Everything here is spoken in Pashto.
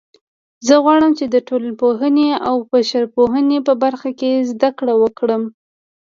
زه غواړم چې د ټولنپوهنې او بشرپوهنې په برخه کې زده کړه وکړم